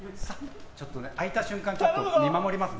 開いた瞬間、見守りますね。